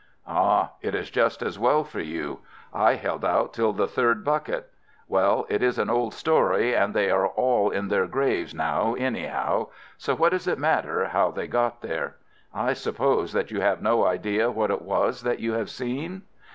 "Ah! it is just as well for you. I held out till the third bucket. Well, it is an old story, and they are all in their graves now anyhow, so what does it matter how they got there. I suppose that you have no idea what it was that you have seen?"